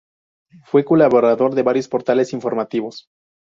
Fue colaborador de varios portales informativos.